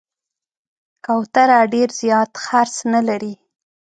کوتره ډېر زیات خرڅ نه لري.